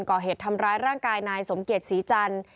ก่อเหตุทำร้ายร่างกายนายสมเกียจศรีจันทร์